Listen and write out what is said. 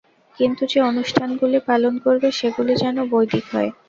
কিন্তু যে অনুষ্ঠানগুলি পালন করবে, সেগুলি যেন বৈদিক হয়।